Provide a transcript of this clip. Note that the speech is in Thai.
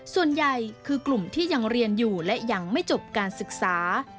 ส่วนใหญ่คือกลุ่มที่ยังเรียนอยู่และยังไม่จบการศึกษา